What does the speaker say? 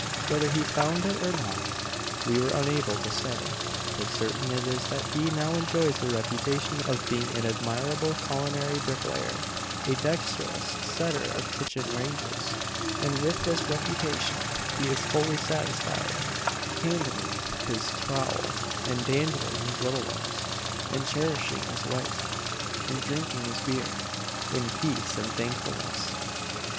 Whether he found it or not, we are unable to say; but certain it is that he now enjoys the reputation of being an admirable culinary bricklayer a dexterous setter of kitchen ranges; and with this reputation he is fully satisfied handling his trowel, and dandling his little ones, and cherishing his wife, and drinking his beer, in peace and thankfulness.